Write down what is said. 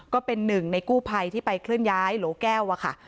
ก็เป็นหนึ่งในกู้ภัยที่ไปเคลื่อนย้ายโหลแก้วอะค่ะ